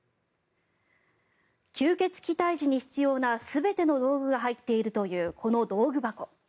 吸血鬼退治に必要な全ての道具が入っているというこの道具箱。